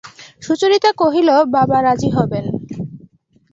সুচরিতা কহিল, বাবা রাজি হবেন।